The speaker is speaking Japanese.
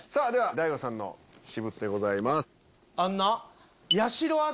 では大悟さんの私物でございます。